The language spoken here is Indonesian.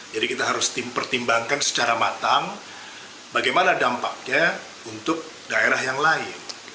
jadi kita harus pertimbangkan secara matang bagaimana dampaknya untuk daerah yang lain